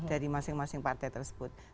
dari masing masing partai tersebut